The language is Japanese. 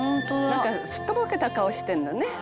「なんかすっとぼけた顔してんのね」